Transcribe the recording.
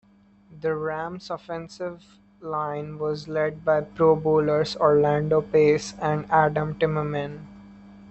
The Rams' offensive line was led by Pro Bowlers Orlando Pace and Adam Timmerman.